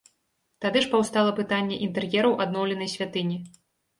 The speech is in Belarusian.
Тады ж паўстала пытанне інтэр'ераў адноўленай святыні.